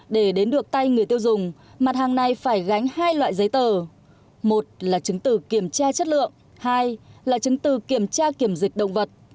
để đến được tay người tiêu dùng mặt hàng này phải gánh hai loại giấy tờ một là chứng từ kiểm tra chất lượng hai là chứng từ kiểm tra kiểm dịch động vật